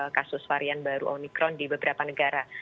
kasus varian baru omikron di beberapa negara